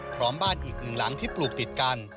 พร้อมบ้านอีกหนึ่งหลังที่ปลูกติดกัน